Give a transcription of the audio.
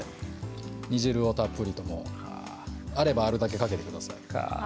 煮汁をたっぷりとあればあるだけかけてください。